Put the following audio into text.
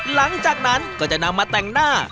หลังจากนั้นก็จะนำมาแต่งหน้า